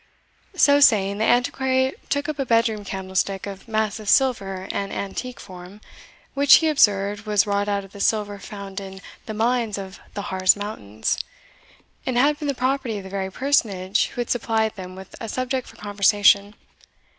So saying, the Antiquary took up a bedroom candlestick of massive silver and antique form, which, he observed, was wrought out of the silver found in the mines of the Harz mountains, and had been the property of the very personage who had supplied them with a subject for conversation.